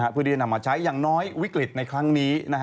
เพื่อที่จะนำมาใช้อย่างน้อยวิกฤตในครั้งนี้